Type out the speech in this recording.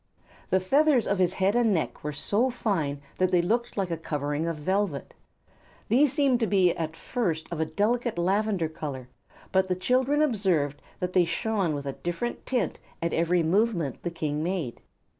The feathers of his head and neck were so fine that they looked like a covering of velvet. These seemed to be, at first, of a delicate lavender color, but the children observed that they shone with a different tint at every movement the King made.